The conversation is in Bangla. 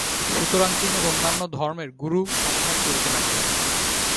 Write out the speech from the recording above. সুতরাং তিনি অন্যান্য ধর্মের গুরু সন্ধান করিতে লাগিলেন।